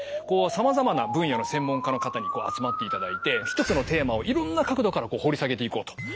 こうさまざまな分野の専門家の方に集まっていただいて１つのテーマをいろんな角度から掘り下げていこうと。